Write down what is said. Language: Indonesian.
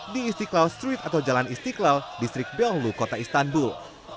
di istiklal street atau jalan istiklal distrik beonglu kota istanbul